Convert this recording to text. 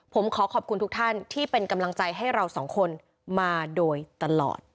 ผมขอขอบคุณทุกท่านที่เป็นกำลังใจให้เราสองคนมาโดยตลอด